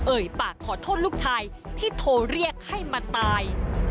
ปากขอโทษลูกชายที่โทรเรียกให้มาตาย